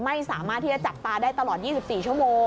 ไม่สามารถที่จะจับตาได้ตลอด๒๔ชั่วโมง